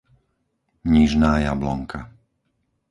Nižná Jablonka